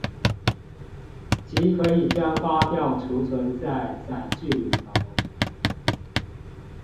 即可以將發票儲存在載具裏頭